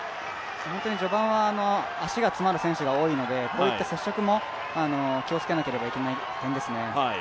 序盤は足が詰まる選手が多いので、こういった接触も気をつけなければいけない点ですね。